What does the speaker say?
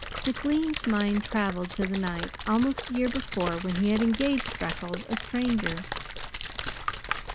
McLean's mind traveled to the night, almost a year before, when he had engaged Freckles, a stranger.